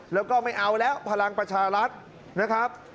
แล้วก็ไม่เอาแล้วพลังประชารัฐนะครับ